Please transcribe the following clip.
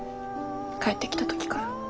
帰ってきた時から。